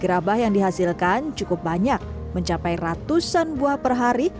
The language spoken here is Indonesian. gerabah yang dihasilkan cukup banyak mencapai ratusan buah per hari